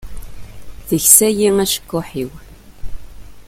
Teksa-yi acekkuḥ-iw.